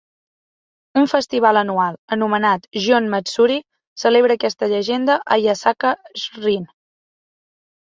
Un festival anual, anomenat "Gion Matsuri", celebra aquesta llegenda a Yasaka Shrine.